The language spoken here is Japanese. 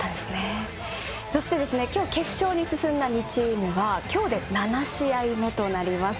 そして今日決勝に進んだ２チームは今日で７試合目となります。